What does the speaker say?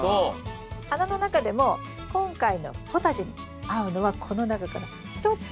花の中でも今回のポタジェに合うのはこの中から１つ。